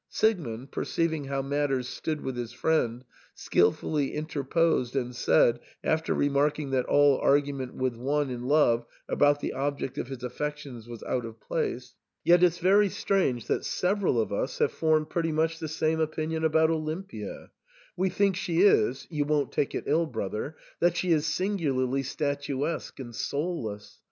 Siegmund, perceiving how matters stood with his friend, skilfully interposed and said, after remarking that all argument with one in love about the object of his affections was out of place, " Yet it's very strange that several of us have formed pretty much the same opinion about Olimpia, We think she is — you won't take it ill, brother ?— that she is singularly statuesque and soulless.